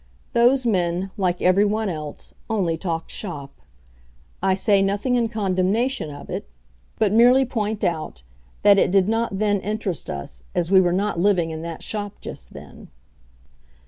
Those men, like everyone else, only talked shop. I say nothing in condemnation of it, but merely point out that it did not then interest us, as we were not living in that shop just then.